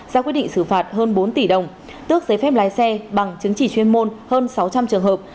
ra quyết định xử phạt hơn bốn tỷ đồng tước giấy phép lái xe bằng chứng chỉ chuyên môn hơn sáu trăm linh trường hợp